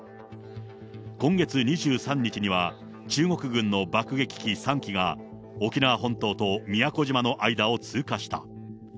今月２３日には、中国軍の爆撃機３機が、沖縄本島と宮古島の間を通過した。